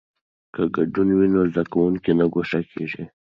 که ګډون وي نو زده کوونکی نه ګوښه کیږي.